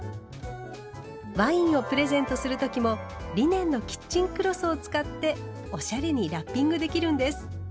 ワインをプレゼントする時もリネンのキッチンクロスを使っておしゃれにラッピングできるんです。